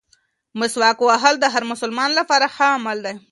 مسواک وهل د هر مسلمان لپاره ښه عمل دی.